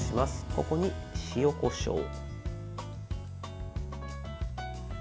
ここに塩、こしょう。